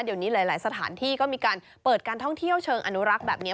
เดี๋ยวนี้หลายสถานที่ก็มีการเปิดการท่องเที่ยวเชิงอนุรักษ์แบบนี้